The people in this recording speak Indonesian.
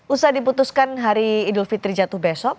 usai diputuskan hari idul fitri jatuh besok